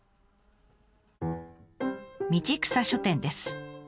道草書店です。